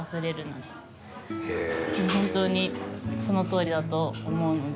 本当にそのとおりだと思うので。